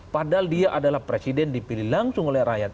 padahal dia adalah presiden dipilih langsung oleh rakyat